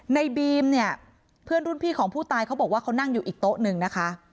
ในบีมเนี่ยเพื่อนรุ่นพี่ของผู้ตายเขาบอกว่าเขานั่งอยู่อีกโต๊ะหนึ่งนะคะ